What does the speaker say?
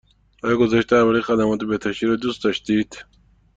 آیا گزارش درباره خدمات بهداشتی را دوست داشتید؟